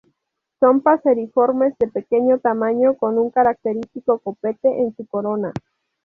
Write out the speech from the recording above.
Son paseriformes de pequeño tamaño, con un característico copete en su corona.